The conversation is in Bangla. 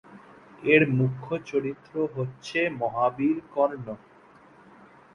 এর মুখ্য চরিত্র হচ্ছে মহাবীর কর্ণ।